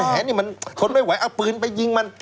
แหนี่มันทนไม่ไหวเอาปืนไปยิงมัน